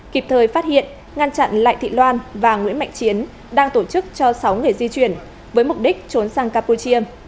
kịp thời phát hiện ngăn chặn lại thị loan và nguyễn mạnh chiến đang tổ chức cho sáu người di chuyển với mục đích trốn sang campuchia